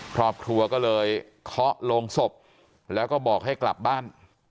ครอบครัวก็เลยเคาะโรงศพแล้วก็บอกให้กลับบ้าน